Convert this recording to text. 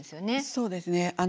そうですね。